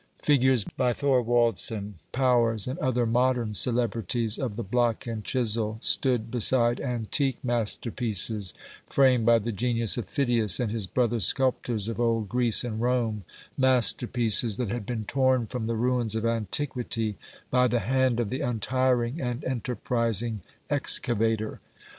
Figures by Thorwaldsen, Powers and other modern celebrities of the block and chisel stood beside antique masterpieces framed by the genius of Phidias and his brother sculptors of old Greece and Rome, masterpieces that had been torn from the ruins of antiquity by the hand of the untiring and enterprising excavator.